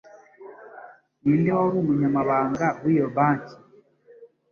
Ninde wari umunyamabanga wiyo banki